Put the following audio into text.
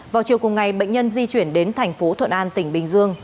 vào chiều cùng ngày bệnh nhân di chuyển đến thành phố thuận an tỉnh bình dương